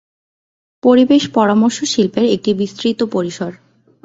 পরিবেশ পরামর্শ শিল্পের একটি বিস্তৃত পরিসর।